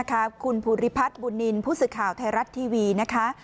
คุณภูริพัฒน์บุญนินทร์ผู้สื่อข่าวไทยรัฐทีวีนะคะ